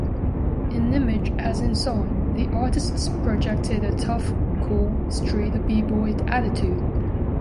In image as in song, the artists projected a tough, cool, street b-boy attitude.